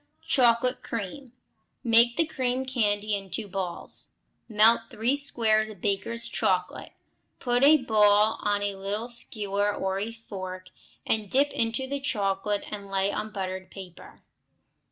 Chocolate Creams Make the cream candy into balls, melt three squares of Baker's chocolate; put a ball on a little skewer or a fork, and dip into the chocolate and lay on buttered paper.